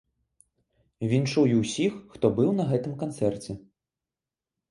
Віншую ўсіх, хто быў на гэтым канцэрце.